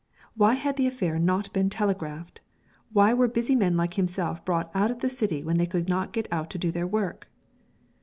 Why had the affair not been telegraphed? Why were busy men like himself brought out of the city when they could not get on to do their work?